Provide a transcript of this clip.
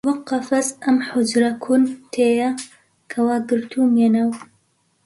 وەک قەفەس ئەم حوجرە کون تێیە کە وا گرتوومیە ناو